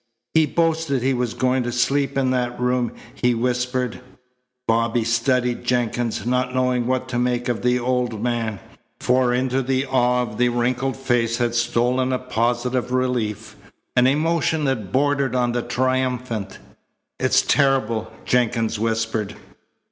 "He boasted he was going to sleep in that room," he whispered. Bobby studied Jenkins, not knowing what to make of the old man, for into the awe of the wrinkled face had stolen a positive relief, an emotion that bordered on the triumphant. "It's terrible," Jenkins whispered.